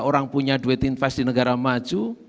orang punya duit investasi di negara maju